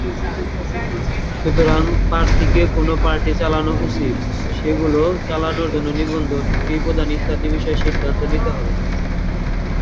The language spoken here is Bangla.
সুতরাং, প্রার্থীকে কোন পার্টি চালানো উচিত, সেগুলি চালানোর জন্য নিবন্ধন, ফি প্রদান ইত্যাদি বিষয়ে সিদ্ধান্ত নিতে হবে।